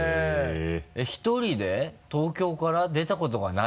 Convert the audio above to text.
「１人で東京から出たことがない」